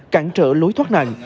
cản trở lối thoát nặng